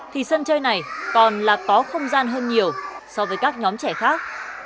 thì sân chơi này còn là có không gian hơn nhiều so với các nhóm trẻ khác